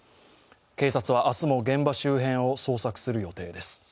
警察は明日も現場周辺を捜索する予定です。